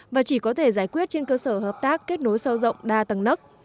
và chỉ có thể giải quyết trên cơ sở hợp tác kết nối sâu rộng đa tầng nấc